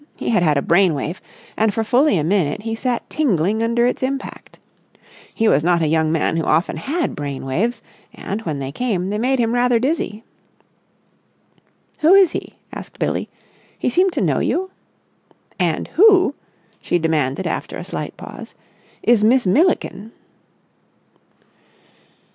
He had had a brain wave, and for fully a minute he sat tingling under its impact. He was not a young man who often had brain waves, and, when they came, they made him rather dizzy. "Who is he?" asked Billie. "He seemed to know you? And who," she demanded after a slight pause, "is Miss Milliken?"